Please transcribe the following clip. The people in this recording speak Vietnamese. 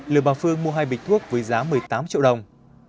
lừa bà phương mua hai bịch thuốc với giá một mươi tám triệu đồng